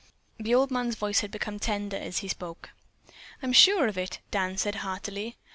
The old man's voice had become tender as he spoke. "I'm sure of it," Dan said heartily.